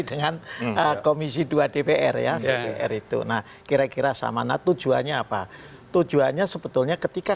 dengan komisi dua dpr ya dpr itu nah kira kira samana tujuannya apa tujuannya sebetulnya ketika